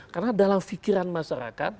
karena dalam pikiran masyarakat